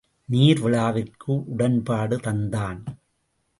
நீர்விழாவிற்கு உடன்பாடு தந்தான்.